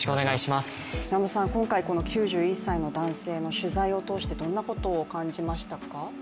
今回９１歳の男性の取材を通してどんなことを感じましたか？